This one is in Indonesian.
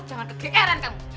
jangan kegeeran kamu